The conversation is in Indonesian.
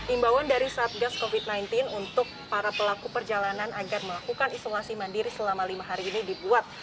imbauan dari satgas covid sembilan belas untuk para pelaku perjalanan agar melakukan isolasi mandiri selama lima hari ini dibuat